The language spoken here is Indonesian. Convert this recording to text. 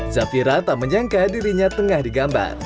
zafira tak menyangka dirinya tengah digambar